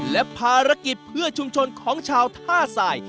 และภารกิจเพื่อชุมชนของชาวท่าสาย